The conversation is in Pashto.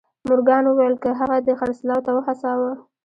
مورګان وویل که هغه دې خرڅلاو ته وهڅاوه